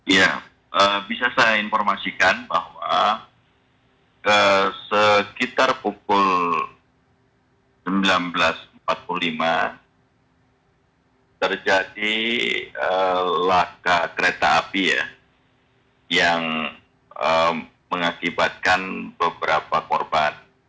ya bisa saya informasikan bahwa sekitar pukul sembilan belas empat puluh lima terjadi laka kereta api yang mengakibatkan beberapa korban